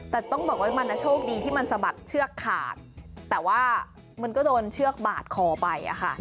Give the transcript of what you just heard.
แต่ต้องบอกว่ามันโชคดีที่มันสะบัดเชือกขาดแต่ว่ามันก็โดนเชือกบาดคอไปอะค่ะ